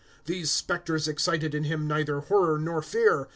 These spectres excited in him neither horror nor fear.